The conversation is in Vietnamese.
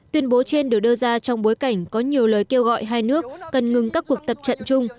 tuyên bố trên được đưa ra trong bối cảnh có nhiều lời kêu gọi hai nước cần ngừng các cuộc tập trận chung